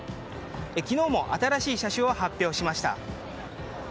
昨日も新しい車種を発表しました。